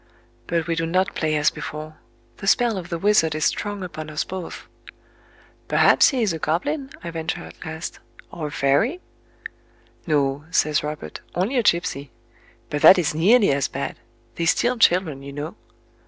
But we do not play as before: the spell of the wizard is strong upon us both... "Perhaps he is a goblin," I venture at last, "or a fairy?" "No," says Robert,—"only a gipsy. But that is nearly as bad. They steal children, you know."...